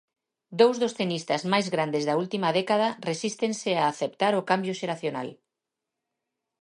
Dous dos tenistas máis grandes da última década resístense a aceptar o cambio xeracional.